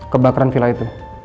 kebakaran villa itu